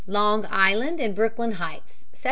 Long Island and Brooklyn Heights, 1776.